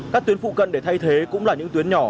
các tuyến phụ cận để thay thế cũng là những tuyến nhỏ